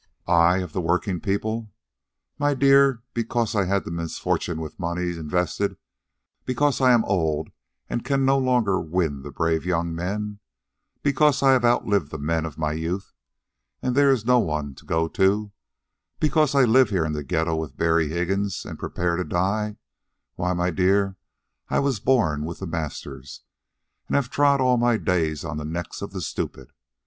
"I? Of the working people? My dear, because I had misfortune with moneys invested, because I am old and can no longer win the brave young men, because I have outlived the men of my youth and there is no one to go to, because I live here in the ghetto with Barry Higgins and prepare to die why, my dear, I was born with the masters, and have trod all my days on the necks of the stupid.